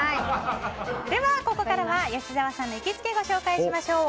では、ここからは吉沢さんの行きつけをご紹介しましょう。